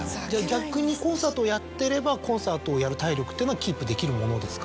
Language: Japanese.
逆にコンサートをやってればコンサートをやる体力ってのはキープできるものですか？